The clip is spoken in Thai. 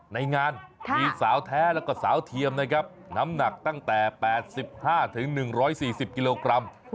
ในงานมีสาวแท้แล้วก็สาวเทียมนะครับน้ำหนักตั้งแต่๘๕๑๔๐กิโลกรัม